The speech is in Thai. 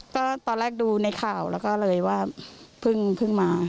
ก็ตอนแรกดูในข่าวแล้วก็เลยว่าเพิ่งมา